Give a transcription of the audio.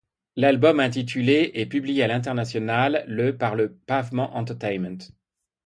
L'album intitulé ' est publié à l'international le par Pavement Entertainment.